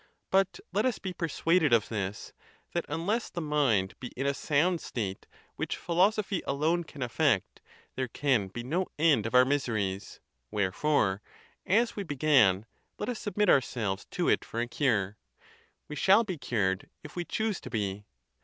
But let us be persuaded of this, that unless the mind be in a sound state, which philosophy alone can effect, there can be no end of our miseries. Wherefore, as we began, let us submit our selves to it for a cure; we shall be cured if we choose to be.